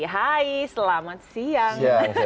hai selamat siang